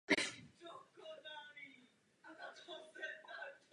Zároveň budou vybavena pro údržbu a opravy jiných plavidel.